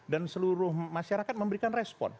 dan seluruh masyarakat memberikan respon